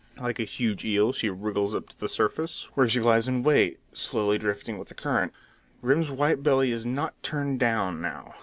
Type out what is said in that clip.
Like a huge eel she wriggles up to the surface, where she lies in wait, slowly drifting with the current. Grim's white belly is not turned down now.